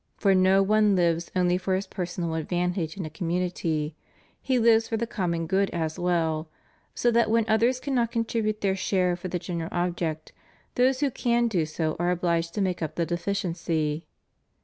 For no one lives only for his personal advantage in a community; he hves for the cormnon good as well, so that when others cannot contribute their share for the general object, those who can do so are obliged to make up the deficiency.